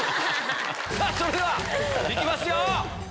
それではいきますよ。